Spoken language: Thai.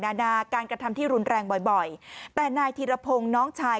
นานาการกระทำที่รุนแรงบ่อยแต่ทีรพงธ์น้องชาย